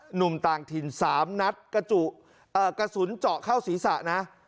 หนุ่มต่างถิ่น๓นัดกระสุนเจาะเข้าศีรษะนะ